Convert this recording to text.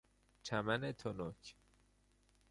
چمن تنک